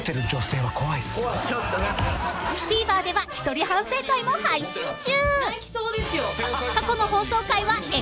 ［ＴＶｅｒでは一人反省会も配信中］